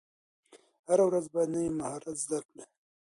هره ورځ باید نوی مهارت زده کړئ.